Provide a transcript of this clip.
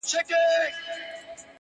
• انساني حقونه تر پښو للاندي کيږي,